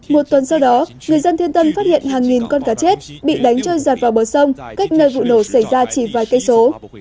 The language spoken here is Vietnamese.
một tuần sau đó người dân thiên tân phát hiện hàng nghìn con cá chết bị đánh trôi giặt vào bờ sông cách nơi vụ nổ xảy ra chỉ vài cây số